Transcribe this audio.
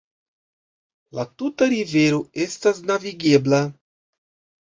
La tuta rivero estas navigebla.